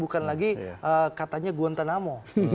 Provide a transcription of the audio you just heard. bukan lagi katanya guantanamo